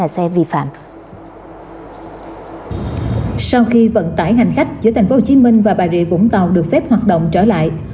sau khi vận tải hành khách giữa thành phố hồ chí minh và bà rịa vũng tàu được phép hoạt động trở lại